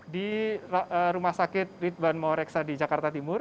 di rumah sakit ridwan mawareksa di jakarta timur